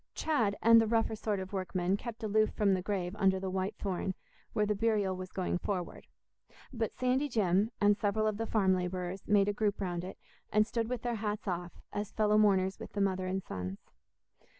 Chad and the rougher sort of workmen kept aloof from the grave under the white thorn, where the burial was going forward; but Sandy Jim, and several of the farm labourers, made a group round it, and stood with their hats off, as fellow mourners with the mother and sons.